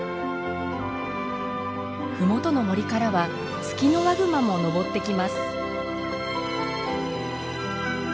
麓の森からはツキノワグマものぼってきます。